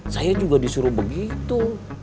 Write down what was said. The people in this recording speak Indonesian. saya juga disuruh begitu